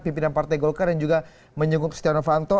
pimpinan partai golkar yang juga menyeguk setia novanto